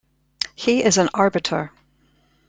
He is an arbiter.